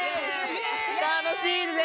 楽しいぜ！